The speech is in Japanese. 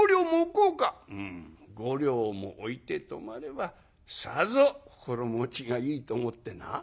「うん５両も置いて泊まればさぞ心持ちがいいと思ってな」。